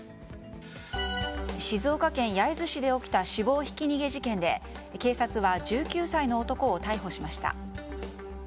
静岡県焼津市で起きた死亡ひき逃げ事件で警察は１９歳の男を逮捕しました。